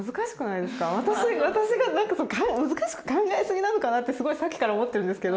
私が難しく考えすぎなのかなってすごいさっきから思ってるんですけど。